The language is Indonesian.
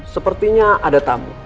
sepertinya ada tamu